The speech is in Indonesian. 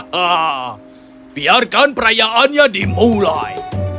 hahaha biarkan perayaannya dimulai